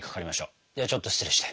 ではちょっと失礼して。